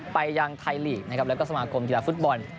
ไปยังไทยลีกแล้วก็สมากรมกีฬาฟุตบอล